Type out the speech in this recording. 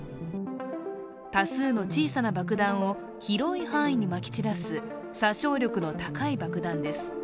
多数の小さな爆弾を広い範囲にまき散らす殺傷力の高い爆弾です。